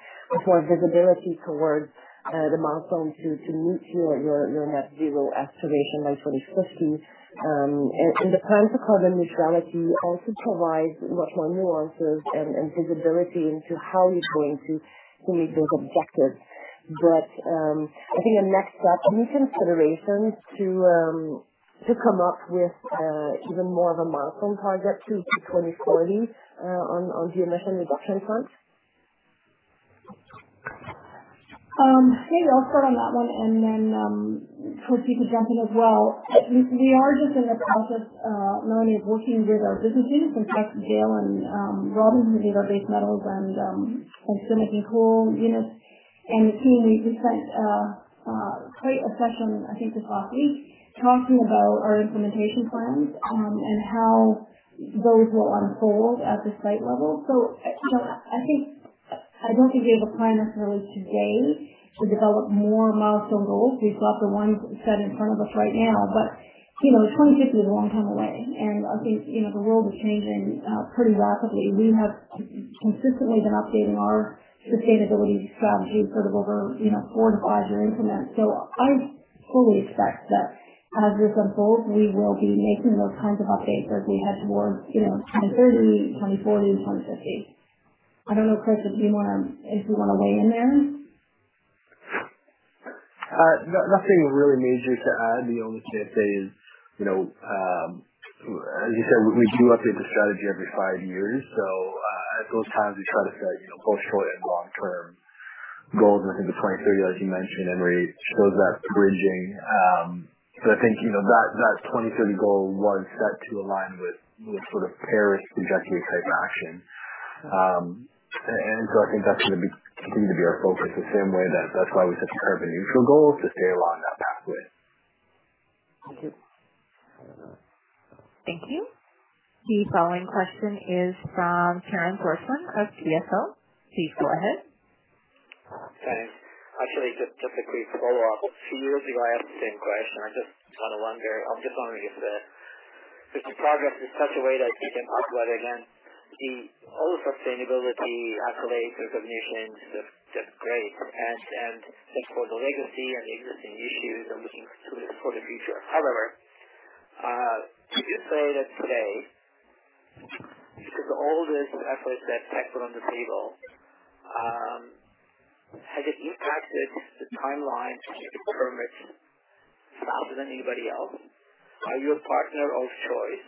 more visibility towards the milestone to meet your net zero aspiration by 2050. The plan for carbon neutrality also provides much more nuances and visibility into how you're going to meet those objectives. I think a next step, any considerations to come up with even more of a milestone target to 2040 on your emission reduction front? Maybe I'll start on that one and then Chris, you can jump in as well. We are just in the process, Anne-Marie, of working with our businesses, in fact, Dale and Robin, who lead our base metals and some of the coal units and the team. We present quite a session, I think, this past week, talking about our implementation plans and how those will unfold at the site level. I don't think we have a plan necessarily today to develop more milestone goals. We've got the ones set in front of us right now. 2050 is a long time away, and I think the world is changing pretty rapidly. We have consistently been updating our sustainability strategy sort of over four to five-year increments. I fully expect that as a result, we will be making those kinds of updates as we head towards 2030, 2040, 2050. I don't know, Chris, if you want to weigh in there. Nothing really major to add. The only thing I'd say is, as you said, we do update the strategy every five years. At those times, we try to set both short and long-term goals. I think the 2030, as you mentioned, Anne-Marie, shows that bridging. I think that 2030 goal was set to align with sort of Paris Agreement type action. I think that's going to continue to be our focus, the same way that that's why we set the carbon neutral goals to stay along that pathway. Thank you. Thank you. The following question is from Karen Forsman of BMO. Please go ahead. Thanks. Actually, just a quick follow-up. A few years ago, I asked the same question. I'm just wondering if the progress is such a way that you can talk about it again, the whole sustainability accolade, recognition, the great past, and thanks for the legacy and the existing issues and looking to the future. Would you say that today, because all this effort that Teck put on the table, has it impacted the timeline to secure permits faster than anybody else? Are you a partner of choice?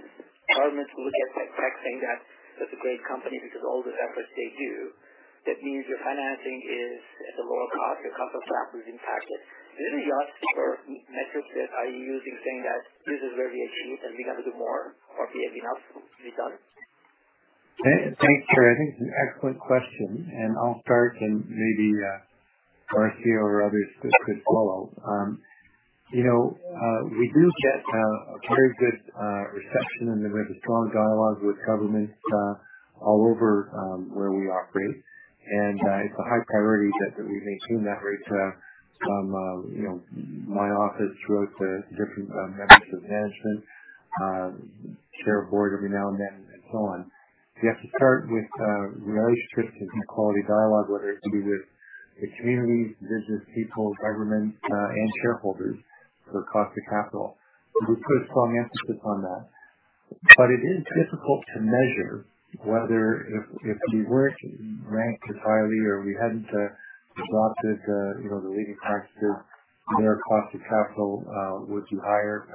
Governments look at Teck saying that it's a great company because all the efforts they do, that means your financing is at a lower cost, your cost of capital is impacted. This is just for metrics that are you using, saying that this is where we achieved and we have got to do more or we have enough to be done. Thanks, Karen. I think it's an excellent question, and I'll start and maybe Marcia or others could follow. We do get a very good reception and we have a strong dialogue with governments all over where we operate, and it's a high priority that we maintain that right from my office throughout the different members of management, Chair of Board every now and then, and so on. You have to start with relationships and quality dialogue, whether it be with the communities, business people, government, and shareholders for cost of capital. We put a strong emphasis on that. It is difficult to measure whether if we weren't ranked as highly or we hadn't adopted the leading practices, is there a cost to capital, would you hire,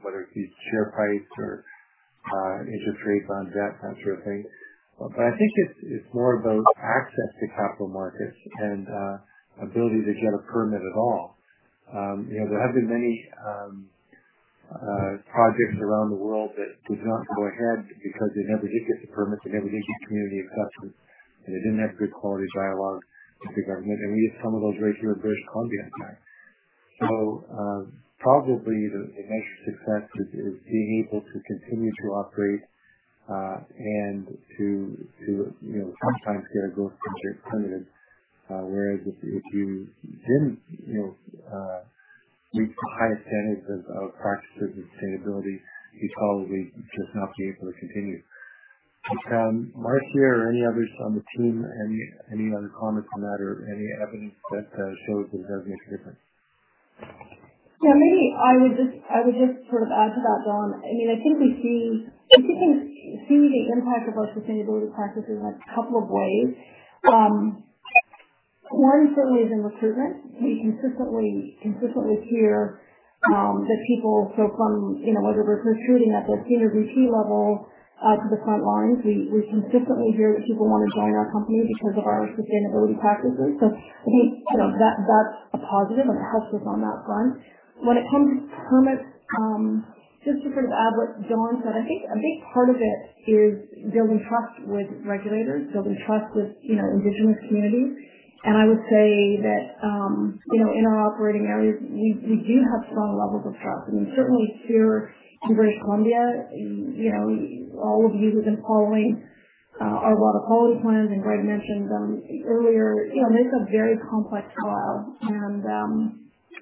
whether it be share price or interest rates on debt, that sort of thing. I think it's more about access to capital markets and ability to get a permit at all. There have been many projects around the world that did not go ahead because they never did get the permits, they never did get community acceptance, and they didn't have good quality dialogue with the government. We had some of those right here in British Columbia in the past. Probably the measure of success is being able to continue to operate and to sometimes get those projects permitted. Whereas if you didn't meet the high standards of practices and sustainability, you'd probably just not be able to continue. Marcia or any others on the team, any other comments on that or any evidence that shows that it does make a difference? Yeah, maybe I would just add to that, Don. I think we see the impact of our sustainability practices in a couple of ways. One certainly is in recruitment. We consistently hear that people from, whether we're recruiting at the senior VP level to the front lines, we consistently hear that people want to join our company because of our sustainability practices. I think that's a positive and it helps us on that front. When it comes to permits, just to add what Don said, I think a big part of it is building trust with regulators, building trust with indigenous communities. I would say that in our operating areas, we do have strong levels of trust, and certainly here in British Columbia, all of you have been following our Water Quality Plans, and Greg mentioned earlier, and these are very complex ELs.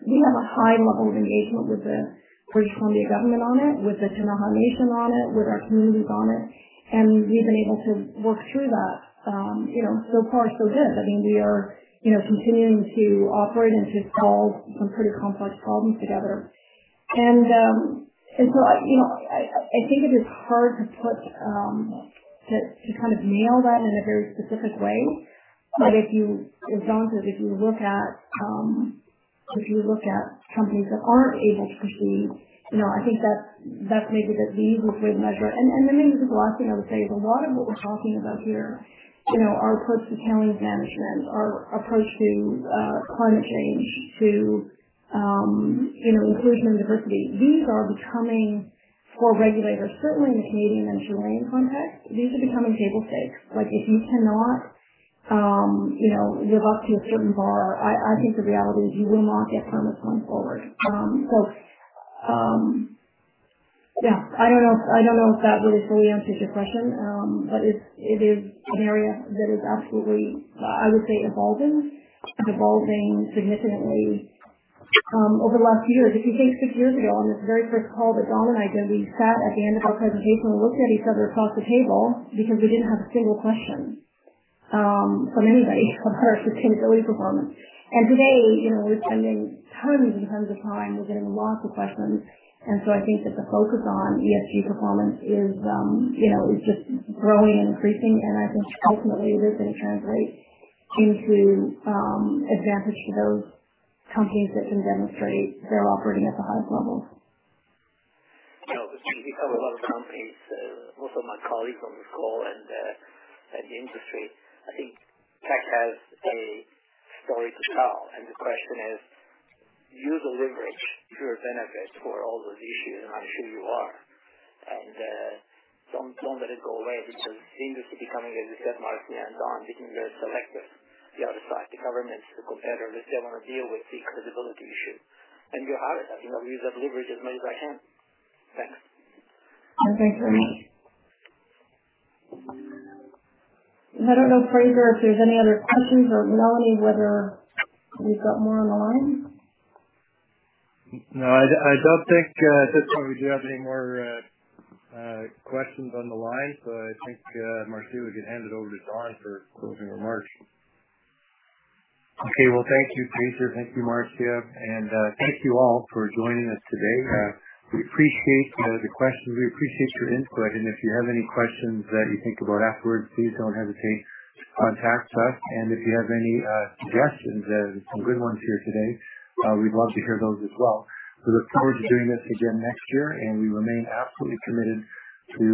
We have a high level of engagement with the British Columbia government on it, with the Ktunaxa Nation on it, with our communities on it. We've been able to work through that. So far, so good. We are continuing to operate and to solve some pretty complex problems together. I think it is hard to nail that in a very specific way. As Don said, if you look at companies that aren't able to proceed, I think that's maybe the easiest way to measure. Maybe this is the last thing I would say, is a lot of what we're talking about here, our approach to tailing management, our approach to climate change, to inclusion and diversity. These are becoming, for regulators, certainly in the Canadian and Chilean context, these are becoming table stakes. If you cannot live up to a certain bar, I think the reality is you will not get permits going forward. Yeah. I don't know if that really fully answers your question, but it is an area that is absolutely, I would say, evolving. It's evolving significantly over the last few years. If you think six years ago on this very first call that Don and I did, we sat at the end of our presentation and looked at each other across the table because we didn't have a single question from anybody about our sustainability performance. Today, we're spending tons and tons of time. We're getting lots of questions. I think that the focus on ESG performance is just growing and increasing, and I think ultimately, it is going to translate into advantage to those companies that can demonstrate they're operating at the highest levels. No, it's true. We have a lot of companies, most of my colleagues on this call and the industry, I think Teck has a story to tell, and the question is, use the leverage to your benefit for all those issues, and I'm sure you are. Don't let it go away because the industry becoming, as you said, Marcia and Don, becoming very selective. The other side, the governments, the competitor, they want to deal with the credibility issue. You are it. Use that leverage as much as I can. Thanks. Great. I don't know, Fraser, if there's any other questions or Melanie, whether we've got more on the line. I don't think at this point we do have any more questions on the line, so I think, Marcia, we can hand it over to Don for closing remarks. Thank you, Fraser. Thank you, Marcia, and thank you all for joining us today. We appreciate the questions. We appreciate your input. If you have any questions that you think about afterwards, please don't hesitate to contact us. If you have any suggestions, there were some good ones here today, we'd love to hear those as well. We look forward to doing this again next year, and we remain absolutely committed to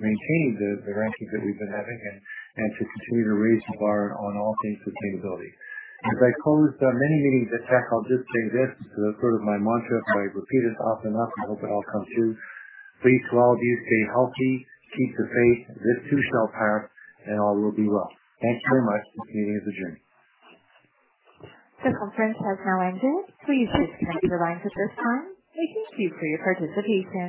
maintaining the rankings that we've been having and to continue to raise the bar on all things sustainability. As I close many meetings at Teck, I'll just say this, it's sort of my mantra. If I repeat it often enough, I hope it all comes true. Please, to all of you, stay healthy, keep the faith. This too shall pass, and all will be well. Thanks very much. This meeting is adjourned. The conference has now ended. Please disconnect your lines at this time. We thank you for your participation.